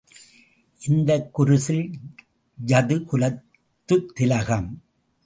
இந்தக்குரிசில் Yadu குலத்துத்திலகம்.